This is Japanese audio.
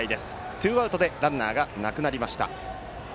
ツーアウトでランナーがなくなりました。